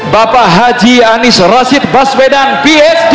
bapak haji anies rashid baswedan pf